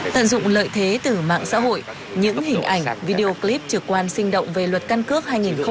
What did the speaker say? tận dụng lợi thế từ mạng xã hội những hình ảnh video clip trực quan sinh động về luật căn cước hai nghìn hai mươi ba